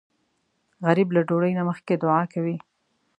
غریب له ډوډۍ نه مخکې دعا کوي